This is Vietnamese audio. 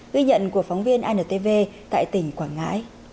ghi nhận của phóng viên antv tại tỉnh quảng ngãi